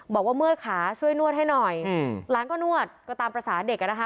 บอกว่าเมื่อยขาช่วยนวดให้หน่อยหลานก็นวดก็ตามภาษาเด็กอ่ะนะคะ